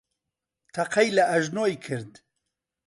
تەقەی لە ئەژنۆی کرد.